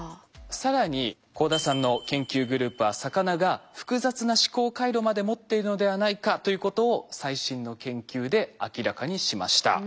更に幸田さんの研究グループは魚が複雑な思考回路まで持っているのではないかということを最新の研究で明らかにしました。